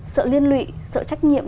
sợ liên lụy sợ trách nhiệm